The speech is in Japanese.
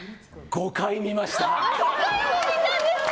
５回も見たんですか！